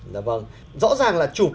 dạ vâng rõ ràng là chụp